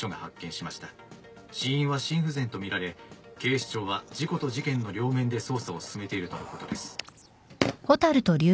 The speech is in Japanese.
死因は心不全とみられ警視庁は事故と事件の両面で捜査を進めているとのことです。